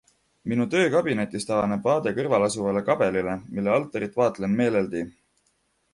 Minu töökabinetist avaneb vaade kõrvalasuvale kabelile, mille altarit vaatlen meeleldi.